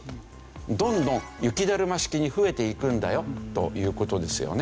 どんどん雪だるま式に増えていくんだよという事ですよね。